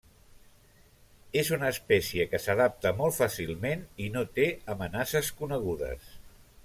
És una espècie que s'adapta molt fàcilment i no té amenaces conegudes.